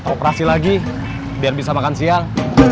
operasi lagi biar bisa makan siang